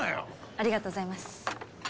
ありがとうございます。